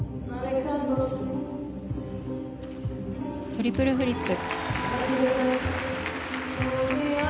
トリプルフリップ。